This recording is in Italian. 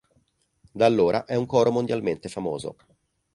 Da allora è un coro mondialmente famoso.